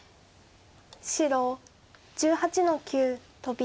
白１８の九トビ。